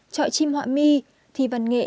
trọi chim họa mi thì văn nghệ